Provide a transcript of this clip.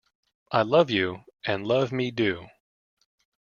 I Love You" and "Love Me Do".